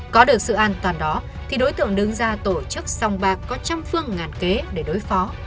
có được sự an toàn đó thì đối tượng đứng ra tổ chức song bạc có trăm phương ngàn kế để đối phó